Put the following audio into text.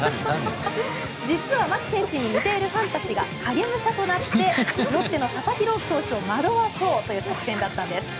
実は牧選手に似ているファンたちが影武者となってロッテの佐々木朗希投手を惑わそうという作戦だったんです。